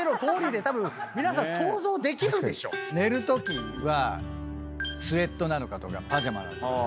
寝るときはスエットなのかとかパジャマなのか。